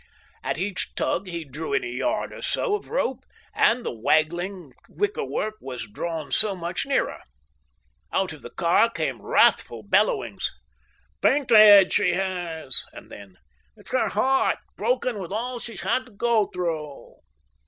At each tug he drew in a yard or so of rope, and the waggling wicker work was drawn so much nearer. Out of the car came wrathful bellowings: "Fainted, she has!" and then: "It's her heart broken with all she's had to go through."